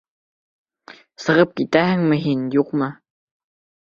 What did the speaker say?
Сығып китәһеңме һин, юҡмы?